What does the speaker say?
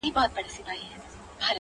پاس پر پالنگه اكثر.